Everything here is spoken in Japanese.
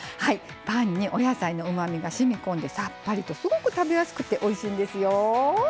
パンにお野菜のうまみがしみ込んでさっぱりとすごく食べやすくておいしいんですよ。